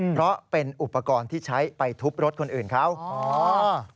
เพราะเป็นอุปกรณ์ที่ใช้ไปทุบรถคนอื่นเขาอ๋อ